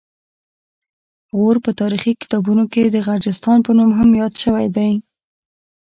غور په تاریخي کتابونو کې د غرجستان په نوم هم یاد شوی دی